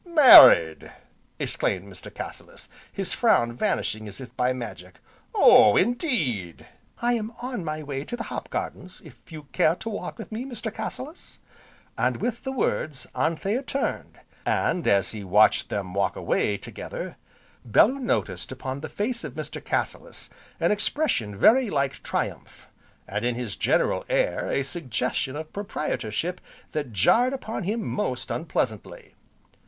"Married!" exclaimed Mr. Cassilis, his frown vanishing as if by magic. "Oh, indeed " "I am on my way to the hop gardens, if you care to walk with me, Mr. Cassilis?" and, with the words, Anthea turned, and, as he watched them walk away, together, Bellew noticed upon the face of Mr. Cassilis an expression very like triumph, and, in his general air, a suggestion of proprietorship that jarred upon him most unpleasantly.